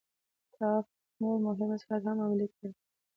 ټافت نور مهم اصلاحات هم عملي کړل.